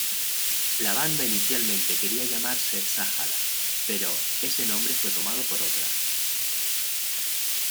La banda inicialmente quería llamarse Sahara", pero ese nombre fue tomado por otra.